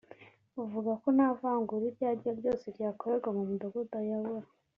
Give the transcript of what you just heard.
uvuga ko nta vangura iryo ariryo ryose ryakorerwa mu mudugudu ayobora